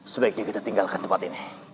sebaiknya kita tinggalkan tempat ini